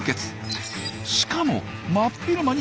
しかも真っ昼間にいます。